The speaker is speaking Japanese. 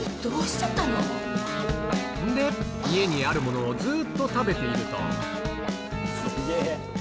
で、家にあるものをずっと食べていると。